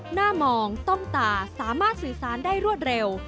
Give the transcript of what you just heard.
หน้ามองต้มตาสามารถสื่อสารได้รวดเร็ว